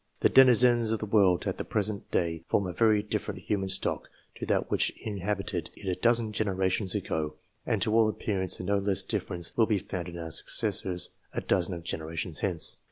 The deni zens of the world at the present day form a very different human stock to that which inhabited it a dozen generations ago, and to all appearance a no less difference will be found our successors a dozen of generations hence.